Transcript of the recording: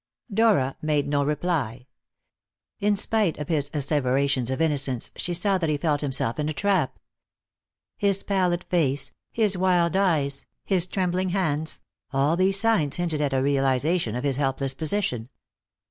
Dora made no reply. In spite of his asseverations of innocence, she saw that he felt himself in a trap. His pallid face, his wild eyes, his trembling hands all these signs hinted at a realization of his helpless position.